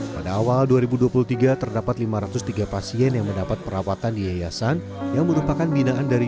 pada awal dua ribu dua puluh tiga terdapat lima ratus tiga pasien yang mendapat perawatan di yayasan yang merupakan binaan dari